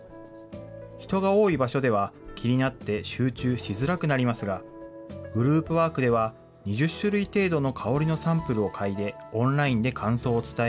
人が多い場所では、気になって集中しづらくなりますが、グループワークでは、２０種類程度の香りのサンプルを嗅いでオンラインで感想を伝え、